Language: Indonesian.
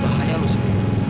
bahaya lo segera